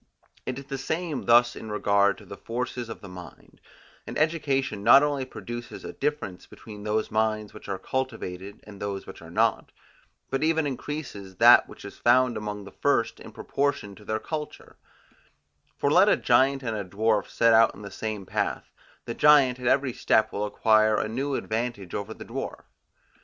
It is the same thus in regard to the forces of the mind; and education not only produces a difference between those minds which are cultivated and those which are not, but even increases that which is found among the first in proportion to their culture; for let a giant and a dwarf set out in the same path, the giant at every step will acquire a new advantage over the dwarf.